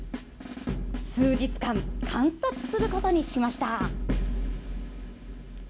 数日間、観察することにしました。